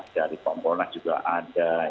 ada dari pompolat juga ada